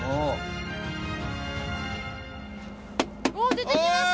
出てきました。